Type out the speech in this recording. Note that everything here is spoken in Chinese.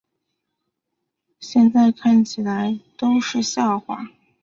现在看起来都是笑话